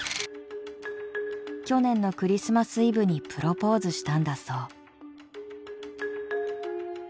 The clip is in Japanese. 去年のクリスマスイブにプロポースしたんだそう。